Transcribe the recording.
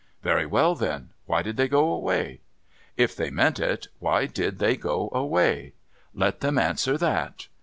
Very well then, why did they go away ? If they meant it, ENVIOUS THOUGHTS 273 why did they go away ? Let them answer that.